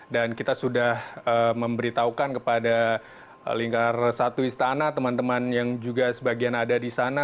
dan kita sudah memberitahukan kepada lingkar satu istana teman teman yang juga sebagian ada di sana